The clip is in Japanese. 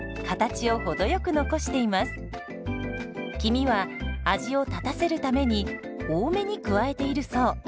黄身は味を立たせるために多めに加えているそう。